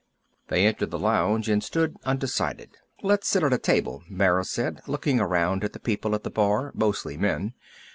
They entered the lounge and stood undecided. "Let's sit at a table," Mara said, looking around at the people at the bar, mostly men.